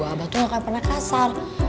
abah tuh gak pernah kasar